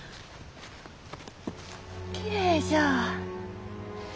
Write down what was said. きれいじゃ。